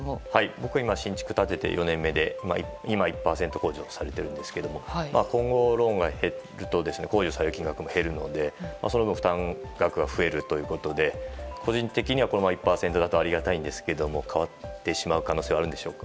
僕、今、新築を建てて４年目で今、１％控除されているんですが今後、ローンが減ると控除される金額も減るので、その分負担額が増えるということで個人的にはこのまま１％だとありがたいんですけど変わってしまう可能性はあるんでしょうか。